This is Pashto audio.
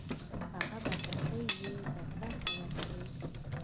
هغه بتکۍ یې زرګر ته ورکړې.